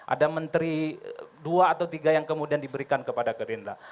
ada menteri dua atau tiga yang kemudian diberikan kepada gerindra